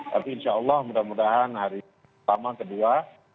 tapi insya allah mudah mudahan hari pertama kedua